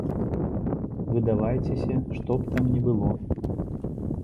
Выдавайцеся, што б там ні было.